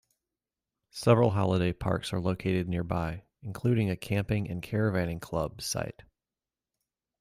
Several holiday parks are located nearby including a Camping and Caravanning Club site.